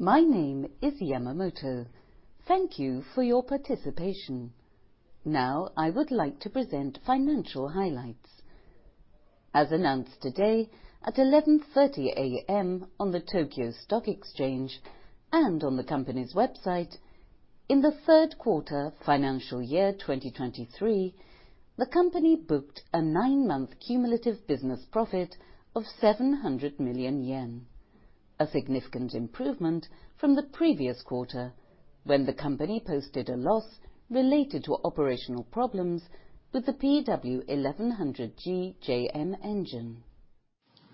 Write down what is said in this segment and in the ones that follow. My name is Yamamoto. Thank you for your participation. Now I would like to present financial highlights. As announced today at 11:30 A.M. on the Tokyo Stock Exchange and on the company's website, in the Q3 financial year 2023, the company booked a nine-month cumulative business profit of 700 million yen, a significant improvement from the previous quarter when the company posted a loss related to operational problems with the PW1100G-JM engine.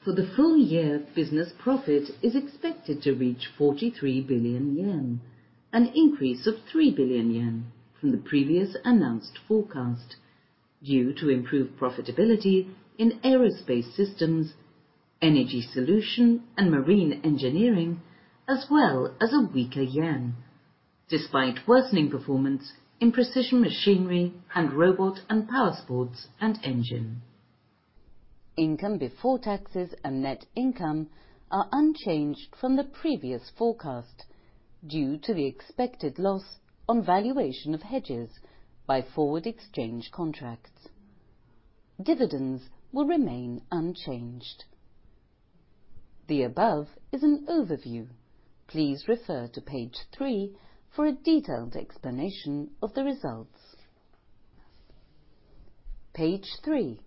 For the full year, business profit is expected to reach 43 billion yen, an increase of 3 billion yen from the previous announced forecast due to improved profitability in Aerospace Systems, Energy Solution, and Marine Engineering, as well as a weaker yen despite worsening performance in Precision Machinery and Robot and Powersports and Engine. Income before taxes and net income are unchanged from the previous forecast due to the expected loss on valuation of hedges by forward exchange contracts. Dividends will remain unchanged. The above is an overview. Please refer to page three for a detailed explanation of the results. Page three.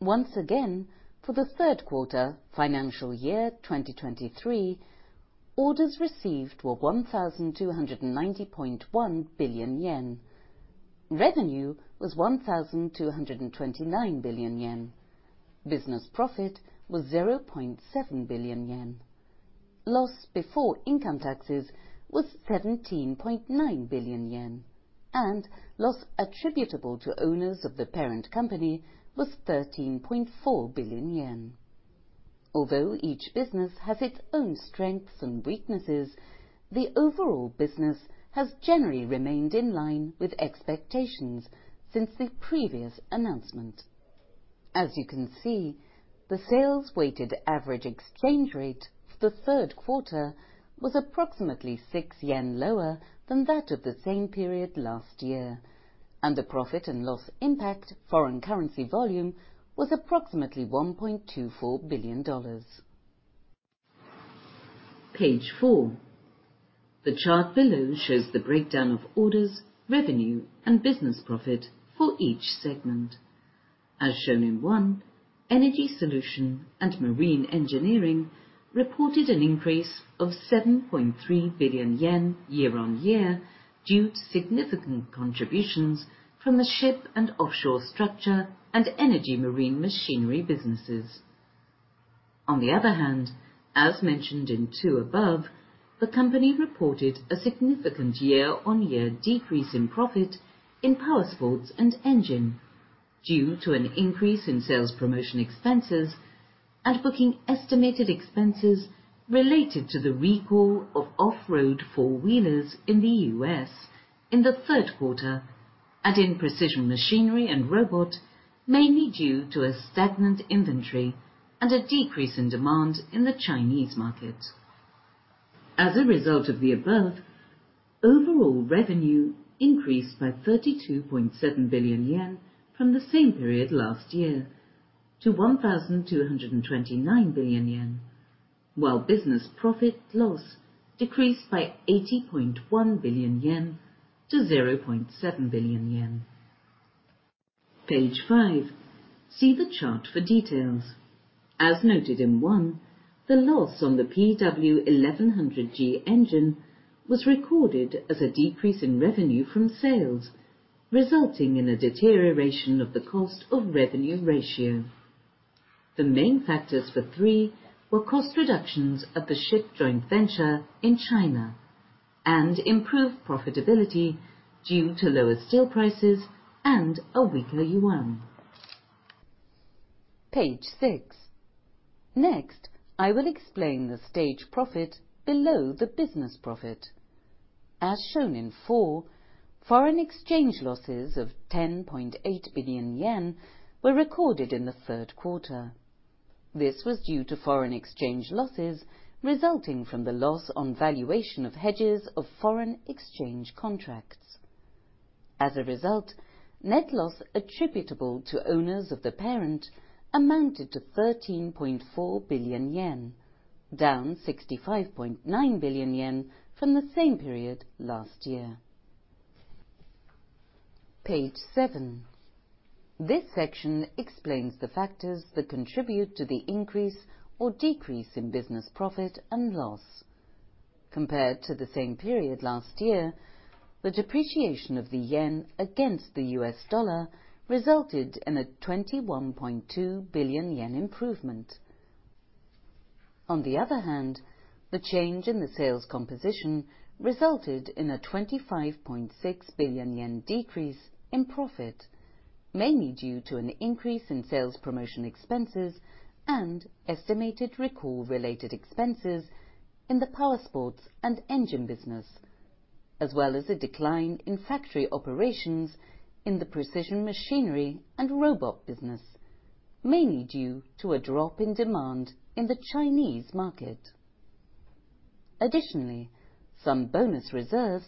Once again, for the Q3 financial year 2023, orders received were 1,290.1 billion yen. Revenue was 1,229 billion yen. Business profit was 0.7 billion yen. Loss before income taxes was 17.9 billion yen, and loss attributable to owners of the parent company was 13.4 billion yen. Although each business has its own strengths and weaknesses, the overall business has generally remained in line with expectations since the previous announcement. As you can see, the sales weighted average exchange rate for the Q3 was approximately 6 yen lower than that of the same period last year, and the profit and loss impact foreign currency volume was approximately $1.24 billion. Page four. The chart below shows the breakdown of orders, revenue, and business profit for each segment. As shown in one, Energy Solution and Marine Engineering reported an increase of 7.3 billion yen year-on-year due to significant contributions from the ship and offshore structure and energy marine machinery businesses. On the other hand, as mentioned in two above, the company reported a significant year-on-year decrease in profit in Powersports and Engine due to an increase in sales promotion expenses and booking estimated expenses related to the recall of off-road four-wheelers in the U.S. in the Q3 and in Precision Machinery and Robot, mainly due to a stagnant inventory and a decrease in demand in the Chinese market. As a result of the above, overall revenue increased by 32.7 billion yen from the same period last year to 1,229 billion yen, while business profit loss decreased by 80.1 billion yen to 0.7 billion yen. Page five. See the chart for details. As noted in 1, the loss on the PW1100G engine was recorded as a decrease in revenue from sales, resulting in a deterioration of the cost of revenue ratio. The main factors for three were cost reductions of the ship joint venture in China and improved profitability due to lower steel prices and a weaker yuan. Page six. Next, I will explain the stage profit below the business profit. As shown in four, foreign exchange losses of 10.8 billion yen were recorded in the Q3. This was due to foreign exchange losses resulting from the loss on valuation of hedges of foreign exchange contracts. As a result, net loss attributable to owners of the parent amounted to 13.4 billion yen, down 65.9 billion yen from the same period last year. Page 7. This section explains the factors that contribute to the increase or decrease in business profit and loss. Compared to the same period last year, the depreciation of the yen against the U.S. dollar resulted in a 21.2 billion yen improvement. On the other hand, the change in the sales composition resulted in a 25.6 billion yen decrease in profit, mainly due to an increase in sales promotion expenses and estimated recall-related expenses in the Powersports and Engine business, as well as a decline in factory operations in the Precision Machinery and Robot business, mainly due to a drop in demand in the Chinese market. Additionally, some bonus reserves,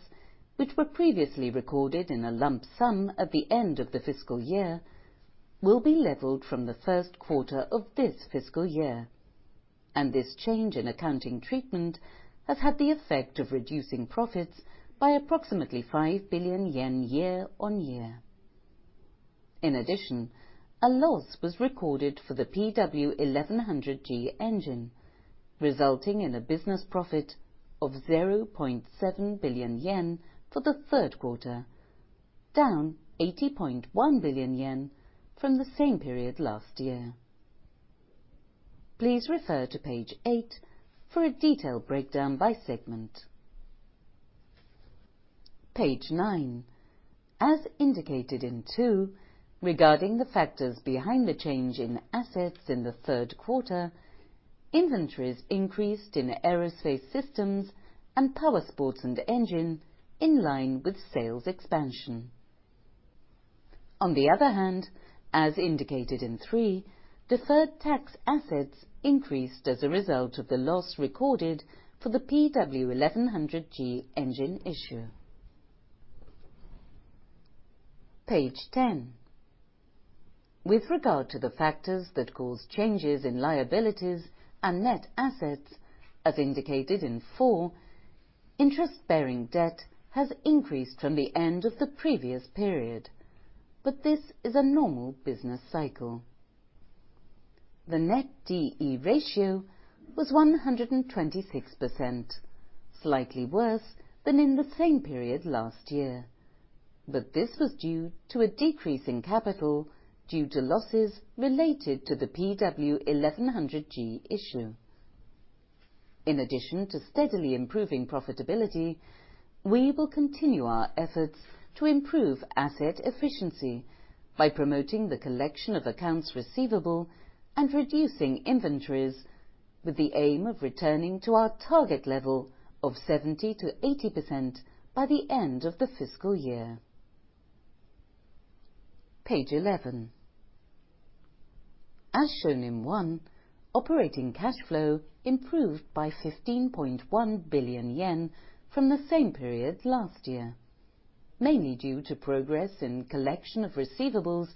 which were previously recorded in a lump sum at the end of the fiscal year, will be leveled from the Q1 of this fiscal year, and this change in accounting treatment has had the effect of reducing profits by approximately 5 billion yen year-on-year. In addition, a loss was recorded for the PW1100G engine, resulting in a business profit of 0.7 billion yen for the Q3, down 80.1 billion yen from the same period last year. Please refer to page eight for a detailed breakdown by segment. Page nine. As indicated in two, regarding the factors behind the change in assets in the Q3, inventories increased in Aerospace Systems and Powersports and Engine in line with sales expansion. On the other hand, as indicated in three, deferred tax assets increased as a result of the loss recorded for the PW1100G engine issue. Page 10. With regard to the factors that cause changes in liabilities and net assets, as indicated in four, interest-bearing debt has increased from the end of the previous period, but this is a normal business cycle. The net D/E ratio was 126%, slightly worse than in the same period last year, but this was due to a decrease in capital due to losses related to the PW1100G issue. In addition to steadily improving profitability, we will continue our efforts to improve asset efficiency by promoting the collection of accounts receivable and reducing inventories with the aim of returning to our target level of 70%-80% by the end of the fiscal year. Page 11. As shown in one, operating cash flow improved by 15.1 billion yen from the same period last year, mainly due to progress in collection of receivables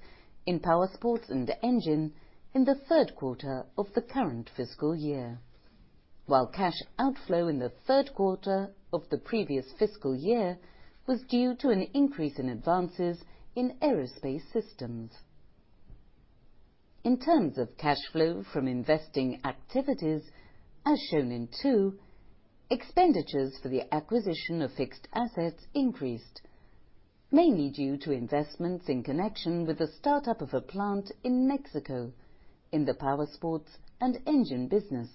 in Powersports and Engine in the Q3 of the current fiscal year, while cash outflow in the Q3 of the previous fiscal year was due to an increase in advances in Aerospace Systems. In terms of cash flow from investing activities, as shown in two, expenditures for the acquisition of fixed assets increased, mainly due to investments in connection with the startup of a plant in Mexico in the Powersports and Engine business,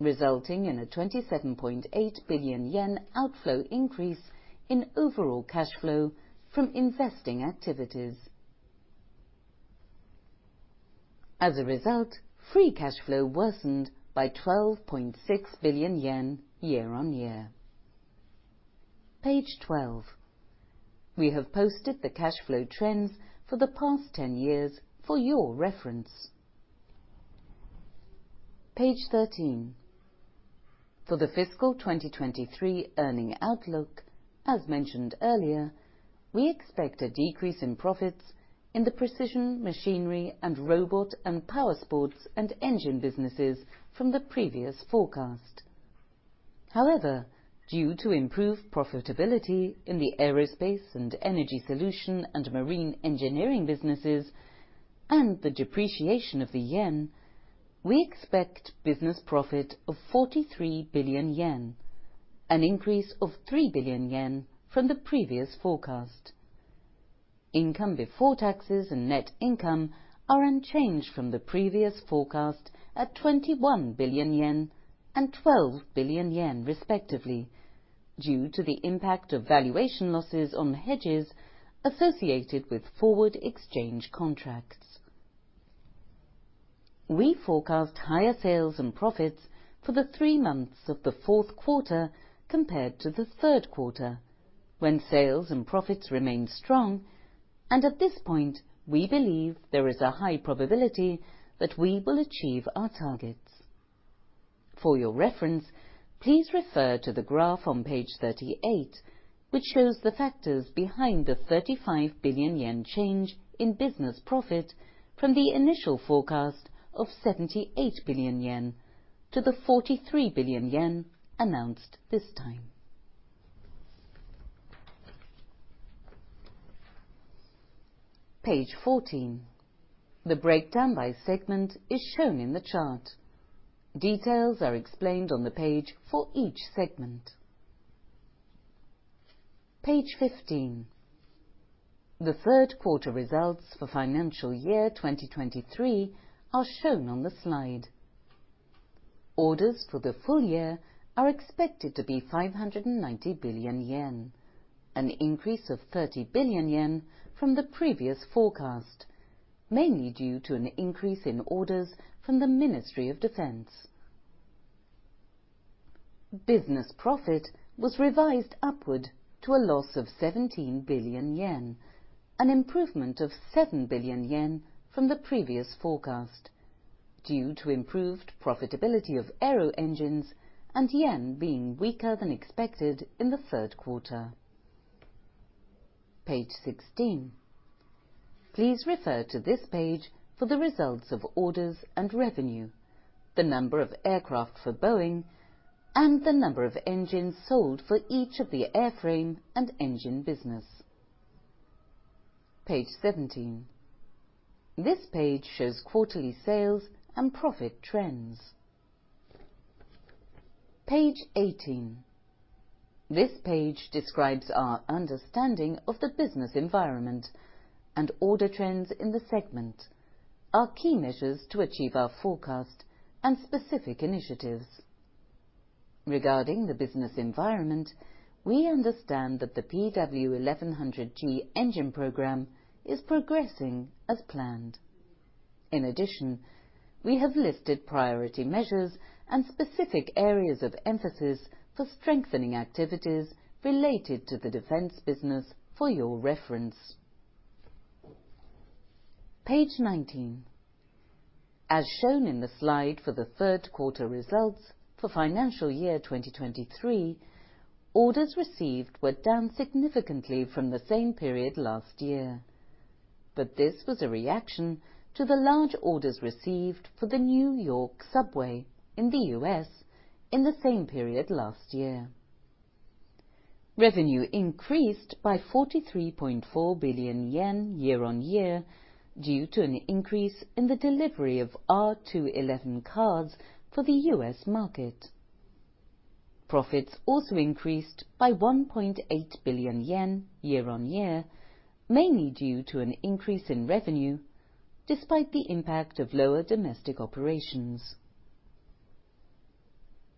resulting in a 27.8 billion yen outflow increase in overall cash flow from investing activities. As a result, free cash flow worsened by 12.6 billion yen year-on-year. Page 12. We have posted the cash flow trends for the past 10 years for your reference. Page 13. For the fiscal 2023 earnings outlook, as mentioned earlier, we expect a decrease in profits in the Precision Machinery and Robot and Powersports and Engine businesses from the previous forecast. However, due to improved profitability in the Aerospace and Energy Solution and Marine Engineering businesses and the depreciation of the yen, we expect business profit of 43 billion yen, an increase of 3 billion yen from the previous forecast. Income before taxes and net income are unchanged from the previous forecast at 21 billion yen and 12 billion yen, respectively, due to the impact of valuation losses on hedges associated with forward exchange contracts. We forecast higher sales and profits for the three months of the Q4 compared to the Q3, when sales and profits remain strong, and at this point we believe there is a high probability that we will achieve our targets. For your reference, please refer to the graph on page 38, which shows the factors behind the 35 billion yen change in business profit from the initial forecast of 78 billion yen to the 43 billion yen announced this time. Page 14. The breakdown by segment is shown in the chart. Details are explained on the page for each segment. Page 15. The Q3 results for financial year 2023 are shown on the slide. Orders for the full year are expected to be 590 billion yen, an increase of 30 billion yen from the previous forecast, mainly due to an increase in orders from the Ministry of Defense. Business profit was revised upward to a loss of 17 billion yen, an improvement of 7 billion yen from the previous forecast due to improved profitability of aero engines and yen being weaker than expected in the Q3. Page 16. Please refer to this page for the results of orders and revenue, the number of aircraft for Boeing, and the number of engines sold for each of the airframe and engine business. Page 17. This page shows quarterly sales and profit trends. Page 18. This page describes our understanding of the business environment and order trends in the segment, our key measures to achieve our forecast, and specific initiatives. Regarding the business environment, we understand that the PW1100G engine program is progressing as planned. In addition, we have listed priority measures and specific areas of emphasis for strengthening activities related to the defense business for your reference. Page 19. As shown in the slide for the Q3 results for financial year 2023, orders received were down significantly from the same period last year, but this was a reaction to the large orders received for the New York Subway in the U.S. in the same period last year. Revenue increased by 43.4 billion yen year-over-year due to an increase in the delivery of R211 cars for the U.S. market. Profits also increased by 1.8 billion yen year-on-year, mainly due to an increase in revenue despite the impact of lower domestic operations.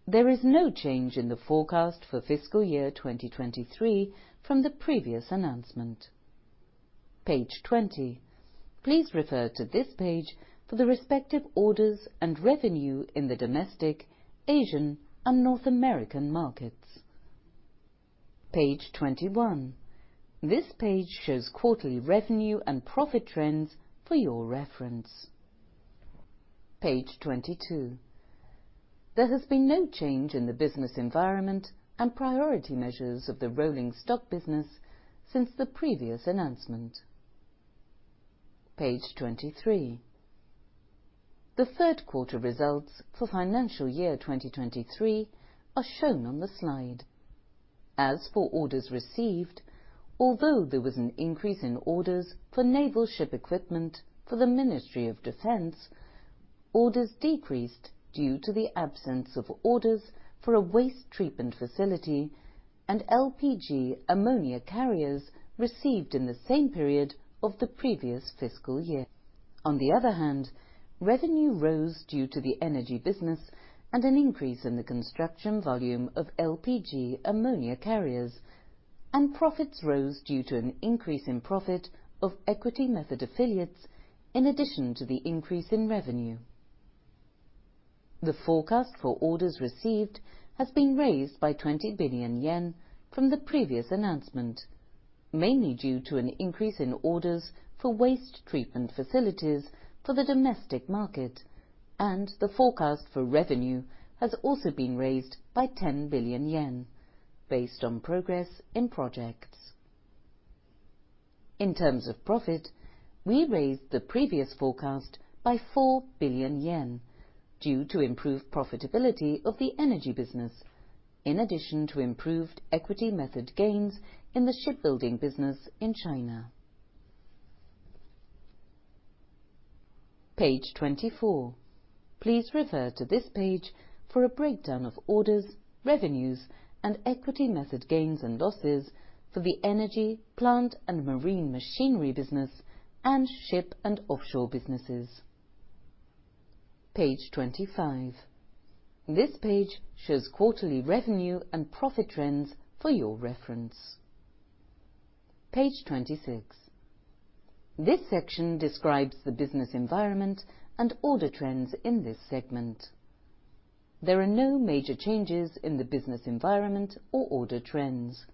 There is no change in the forecast for fiscal year 2023 from the previous announcement. Page 20. Please refer to this page for the respective orders and revenue in the domestic, Asian, and North American markets. Page 21. This page shows quarterly revenue and profit trends for your reference. Page 22. There has been no change in the business environment and priority measures of the Rolling Stock business since the previous announcement. Page 23. The Q3 results for financial year 2023 are shown on the slide. As for orders received, although there was an increase in orders for naval ship equipment for the Ministry of Defense, orders decreased due to the absence of orders for a waste treatment facility and LPG ammonia carriers received in the same period of the previous fiscal year. On the other hand, revenue rose due to the energy business and an increase in the construction volume of LPG ammonia carriers, and profits rose due to an increase in profit of equity method affiliates in addition to the increase in revenue. The forecast for orders received has been raised by 20 billion yen from the previous announcement, mainly due to an increase in orders for waste treatment facilities for the domestic market, and the forecast for revenue has also been raised by 10 billion yen based on progress in projects. In terms of profit, we raised the previous forecast by 4 billion yen due to improved profitability of the energy business in addition to improved equity method gains in the shipbuilding business in China. Page 24. Please refer to this page for a breakdown of orders, revenues, and equity method gains and losses for the energy, plant, and marine machinery business and ship and offshore businesses. Page 25. This page shows quarterly revenue and profit trends for your reference. Page 26. This section describes the business environment and order trends in this segment. There are no major changes in the business environment or order trends.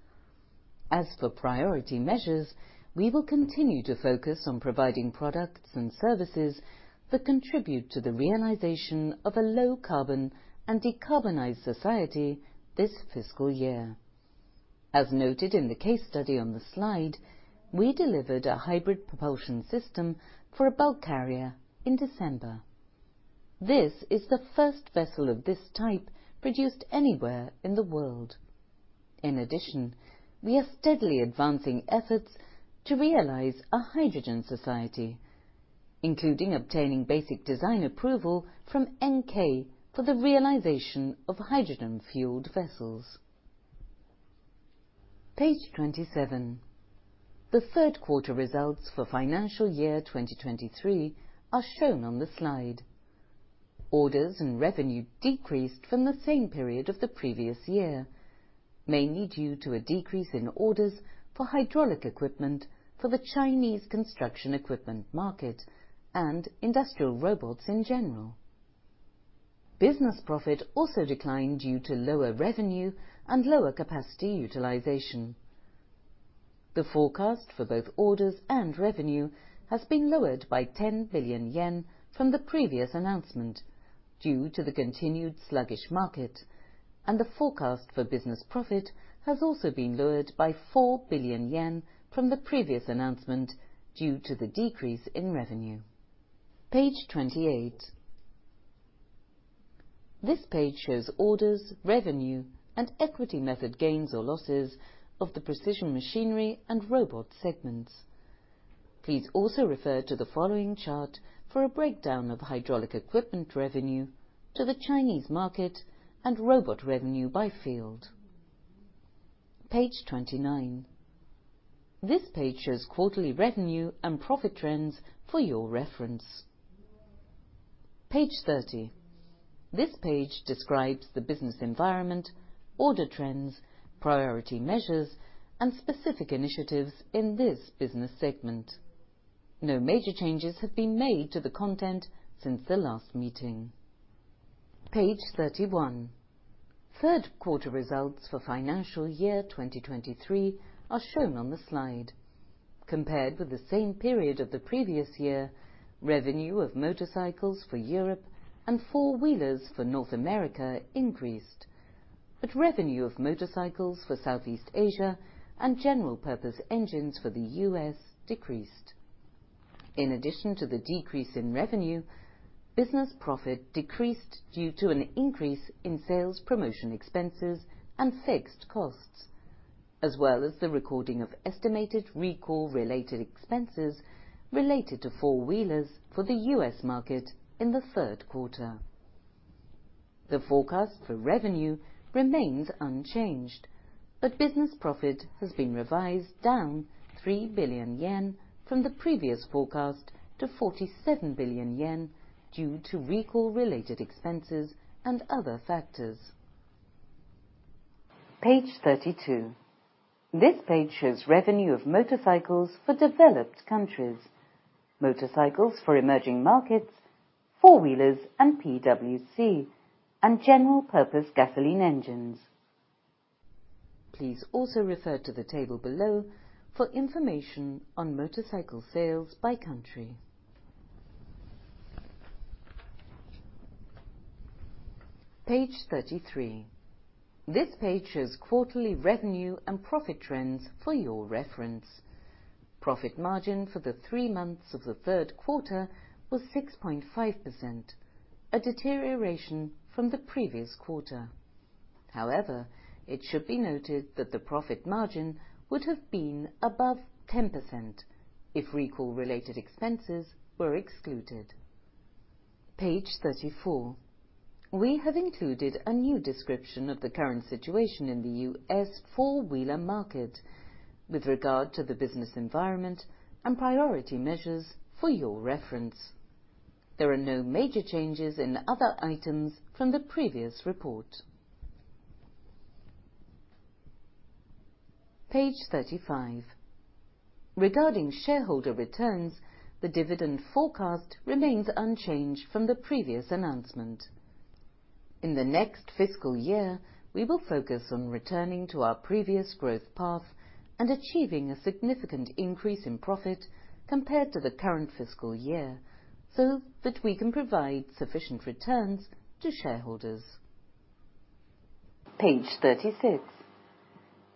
As for priority measures, we will continue to focus on providing products and services that contribute to the realization of a low-carbon and decarbonized society this fiscal year. As noted in the case study on the slide, we delivered a hybrid propulsion system for a bulk carrier in December. This is the first vessel of this type produced anywhere in the world. In addition, we are steadily advancing efforts to realize a hydrogen society, including obtaining basic design approval from NK for the realization of hydrogen-fueled vessels. Page 27. The Q3 results for financial year 2023 are shown on the slide. Orders and revenue decreased from the same period of the previous year, mainly due to a decrease in orders for hydraulic equipment for the Chinese construction equipment market and industrial robots in general. Business profit also declined due to lower revenue and lower capacity utilization. The forecast for both orders and revenue has been lowered by 10 billion yen from the previous announcement due to the continued sluggish market, and the forecast for business profit has also been lowered by 4 billion yen from the previous announcement due to the decrease in revenue. Page 28. This page shows orders, revenue, and equity method gains or losses of the Precision Machinery and Robot segments. Please also refer to the following chart for a breakdown of hydraulic equipment revenue to the Chinese market and Robot revenue by field. Page 29. This page shows quarterly revenue and profit trends for your reference. Page 30. This page describes the business environment, order trends, priority measures, and specific initiatives in this business segment. No major changes have been made to the content since the last meeting. Page 31. Q3 results for financial year 2023 are shown on the slide. Compared with the same period of the previous year, revenue of motorcycles for Europe and four-wheelers for North America increased, but revenue of motorcycles for Southeast Asia and general-purpose engines for the U.S. decreased. In addition to the decrease in revenue, business profit decreased due to an increase in sales promotion expenses and fixed costs, as well as the recording of estimated recall-related expenses related to four-wheelers for the U.S. market in the Q3. The forecast for revenue remains unchanged, but business profit has been revised down 3 billion yen from the previous forecast to 47 billion yen due to recall-related expenses and other factors. Page 32. This page shows revenue of motorcycles for developed countries, motorcycles for emerging markets, four-wheelers and PWC, and general-purpose gasoline engines. Please also refer to the table below for information on motorcycle sales by country. Page 33. This page shows quarterly revenue and profit trends for your reference. Profit margin for the three months of the Q3 was 6.5%, a deterioration from the previous quarter. However, it should be noted that the profit margin would have been above 10% if recall-related expenses were excluded. Page 34. We have included a new description of the current situation in the U.S. four-wheeler market with regard to the business environment and priority measures for your reference. There are no major changes in other items from the previous report. Page 35. Regarding shareholder returns, the dividend forecast remains unchanged from the previous announcement. In the next fiscal year, we will focus on returning to our previous growth path and achieving a significant increase in profit compared to the current fiscal year so that we can provide sufficient returns to shareholders. Page 36.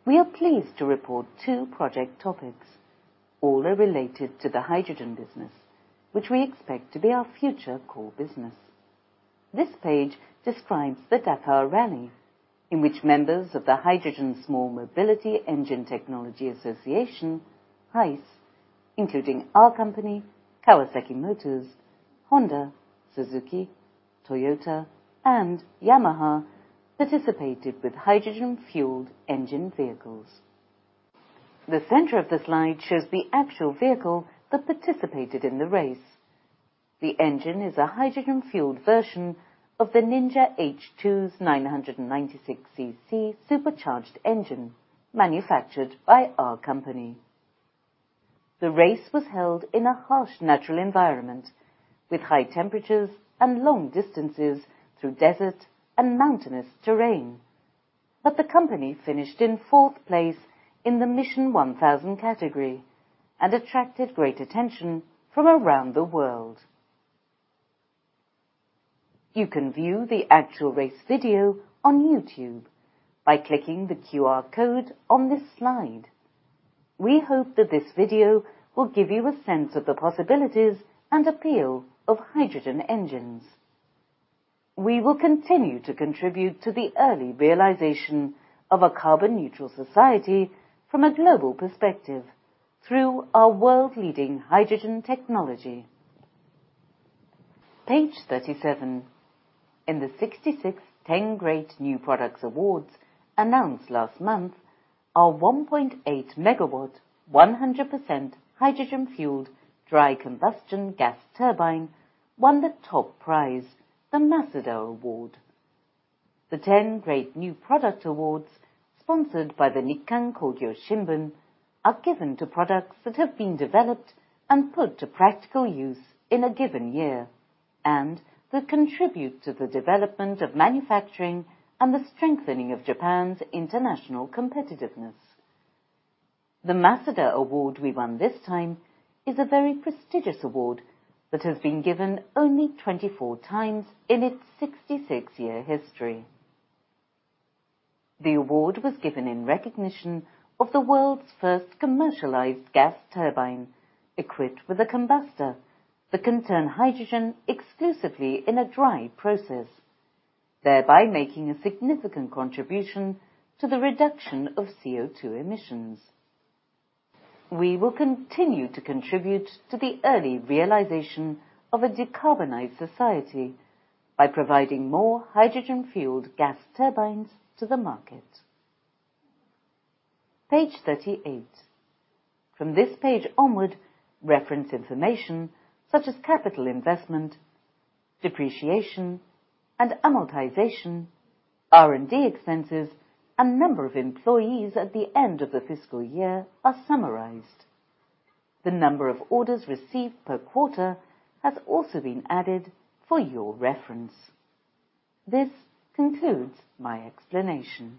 We are pleased to report two project topics. All are related to the hydrogen business, which we expect to be our future core business. This page describes the Dakar Rally, in which members of the Hydrogen Small Mobility Engine Technology Association (HySE), including our company, Kawasaki Motors, Honda, Suzuki, Toyota, and Yamaha, participated with hydrogen-fueled engine vehicles. The center of the slide shows the actual vehicle that participated in the race. The engine is a hydrogen-fueled version of the Ninja H2's 996 cc supercharged engine manufactured by our company. The race was held in a harsh natural environment with high temperatures and long distances through desert and mountainous terrain, but the company finished in fourth place in the Mission 1000 category and attracted great attention from around the world. You can view the actual race video on YouTube by clicking the QR code on this slide. We hope that this video will give you a sense of the possibilities and appeal of hydrogen engines. We will continue to contribute to the early realization of a carbon-neutral society from a global perspective through our world-leading hydrogen technology. Page 37. In the 66 Ten Great New Products Awards announced last month, our 1.8-megawatt, 100% hydrogen-fueled dry combustion gas turbine won the top prize, the Masuda Award. The Ten Great New Product Awards, sponsored by the Nikkan Kogyo Shimbun, are given to products that have been developed and put to practical use in a given year and that contribute to the development of manufacturing and the strengthening of Japan's international competitiveness. The Masuda Award we won this time is a very prestigious award that has been given only 24 times in its 66-year history. The award was given in recognition of the world's first commercialized gas turbine equipped with a combustor that can turn hydrogen exclusively in a dry process, thereby making a significant contribution to the reduction of CO2 emissions. We will continue to contribute to the early realization of a decarbonized society by providing more hydrogen-fueled gas turbines to the market. Page 38. From this page onward, reference information such as capital investment, depreciation, and amortization, R&D expenses, and number of employees at the end of the fiscal year are summarized. The number of orders received per quarter has also been added for your reference. This concludes my explanation.